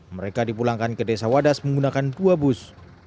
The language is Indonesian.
mereka dipulangkan ke desa wadas menggunakan dua bus